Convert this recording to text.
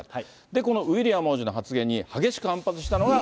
このウィリアム王子の発言に激しく反発したのが。